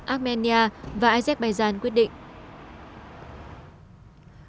armenia và azerbaijan quyết định